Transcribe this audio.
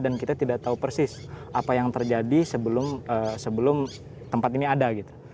dan kita tidak tahu persis apa yang terjadi sebelum tempat ini ada gitu